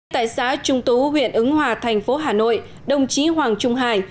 tại xã trung tú huyện ứng hòa thành phố hà nội đồng chí hoàng trung hải